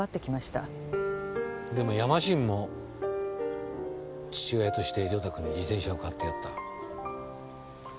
でもヤマシンも父親として良太君に自転車を買ってやった。